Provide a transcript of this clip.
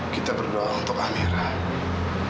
kita berdoa untuk amirah